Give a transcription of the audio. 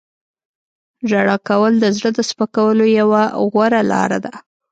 • ژړا کول د زړه د سپکولو یوه غوره لاره ده.